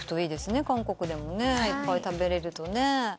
韓国でもいっぱい食べられるとね。